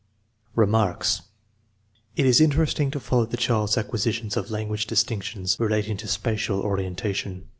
Remarks. It is interesting to follow the child's acquisi tions of language distinctions relating to spacial orientation.